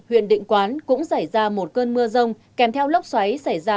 huyện định quán cũng xảy ra một cơn mưa rông kèm theo lốc xoáy xảy ra